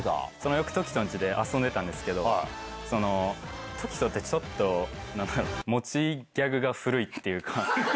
よく凱人んちで遊んでたんですけど、その凱人ってちょっと、持ちギャグが古いっていうか。